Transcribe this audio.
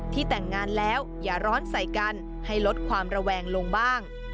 แต่งงานแล้วอย่าร้อนใส่กันให้ลดความระแวงลงบ้าง